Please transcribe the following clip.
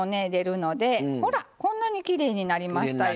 ほらこんなにきれいになりましたよ